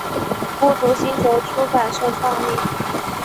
孤独星球出版社创立。